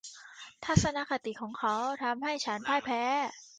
ทัศนคติของเขาทำให้ฉันพ่ายแพ้